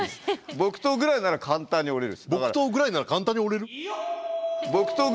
木刀ぐらいなら簡単に折れる？